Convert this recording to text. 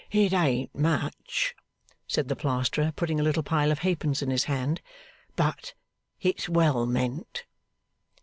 'It ain't much,' said the Plasterer, putting a little pile of halfpence in his hand, 'but it's well meant.